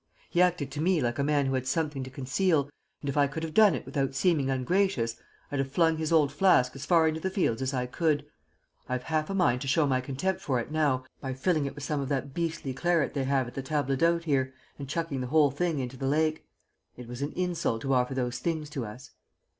He acted to me like a man who had something to conceal, and if I could have done it without seeming ungracious, I'd have flung his old flask as far into the fields as I could. I've half a mind to show my contempt for it now by filling it with some of that beastly claret they have at the table d'hôte here, and chucking the whole thing into the lake. It was an insult to offer those things to us."